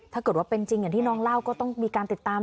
ถ้าเกิดว่าเป็นจริงอย่างที่น้องเล่าก็ต้องมีการติดตาม